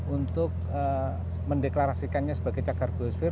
untuk mendeklarasikannya sebagai cagar ghosfir